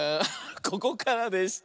ここからでした。